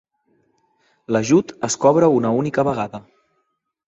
L'ajut es cobra una única vegada.